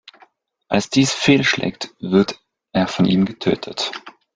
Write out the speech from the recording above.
Als dies fehlschlägt, wird er von ihm getötet.